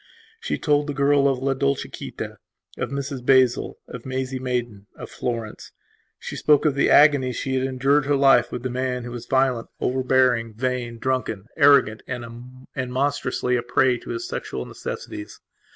She told the girl of La Dolciquita, of Mrs Basil, of Maisie Maidan, of Florence. She spoke of the agonies that she had endured during her life with the man, who was violent, overbearing, vain, drunken, arrogant, and monstrously a prey to his sexual necessities.